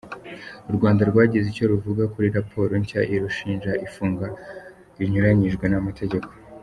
U Rwanda rwagize icyo ruvuga kuri raporo nshya irushinja ifunga rinyuranyije n’amategeko